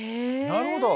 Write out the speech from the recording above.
なるほど。